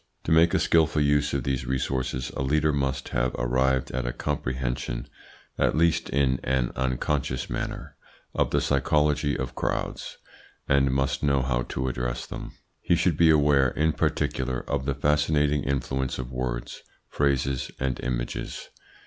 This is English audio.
To make a skilful use of these resources a leader must have arrived at a comprehension, at least in an unconscious manner, of the psychology of crowds, and must know how to address them. He should be aware, in particular, of the fascinating influence of words, phrases, and images.